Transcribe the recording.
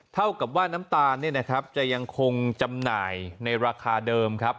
เท่ากับว่าน้ำตาลจะยังคงจำหน่ายในราคาเดิมครับ